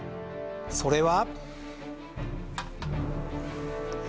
それは。